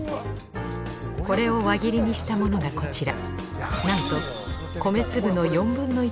これを輪切りにしたものがこちら。